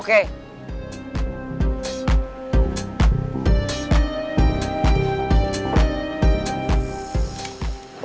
apakah happiness warga